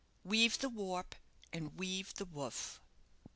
"WEAVE THE WARP, AND WEAVE THE WOOF."